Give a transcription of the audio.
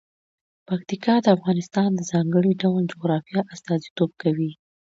پکتیکا د افغانستان د ځانګړي ډول جغرافیه استازیتوب کوي.